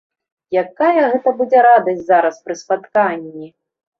Якая гэта будзе радасць зараз пры спатканні!